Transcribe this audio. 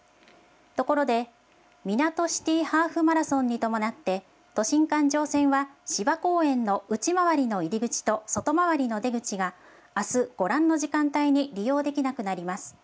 ところで、みなとシティハーフマラソンに伴って、都心環状線は芝公園の内回りの入り口と外回りの出口が、あす、ご覧の時間帯に利用できなくなります。